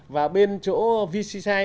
và bên chỗ vcci